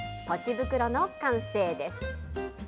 袋の完成です。